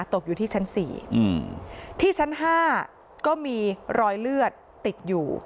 ตกอยู่ที่ชั้น๔ที่ชั้น๕ก็มีรอยเลือดติดอยู่